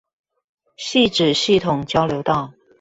汐止系統交流道